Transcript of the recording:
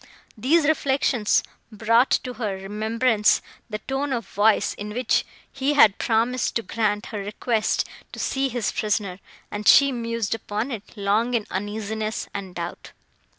These reflections brought to her remembrance the tone of voice, in which he had promised to grant her request to see his prisoner; and she mused upon it long in uneasiness and doubt.